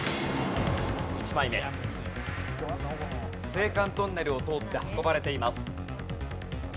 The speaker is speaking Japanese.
青函トンネルを通って運ばれています。